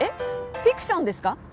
ノンフィクションです。